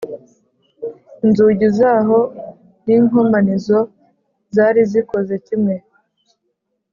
Inzugi zose n’inkomanizo zari zikoze kimwe